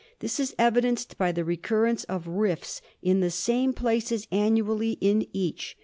This is evidenced by the recurrence of rifts in the same places annually in each.